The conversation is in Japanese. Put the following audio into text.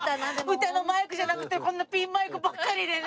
歌のマイクじゃなくてこんなピンマイクばっかりでね。